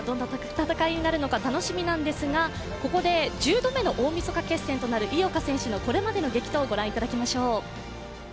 戦いになるのか楽しみなんですが、ここで１０度目の大みそか決戦となる井岡選手のこれまでの激闘を御覧いただきましょう。